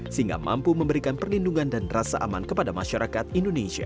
sehingga mampu memberikan perlindungan dan rasa aman kepada masyarakat indonesia